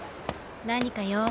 何か用？